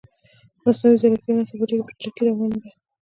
مصنوعی ځیرکتیا نن سبا ډیره په چټکې روانه ده